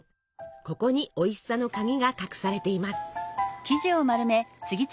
ここにおいしさの鍵が隠されています。